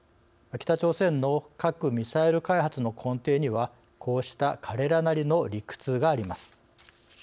北朝鮮の核・ミサイル開発の根底にはこうした彼らなりの理屈があります。